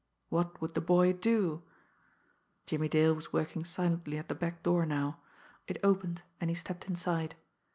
What would the boy do? Jimmie Dale was working silently at the back door now. It opened, and he stepped inside.